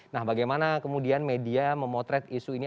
nah bagaimana kemudian media memotret isu ini